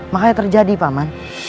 makanya terjadi paman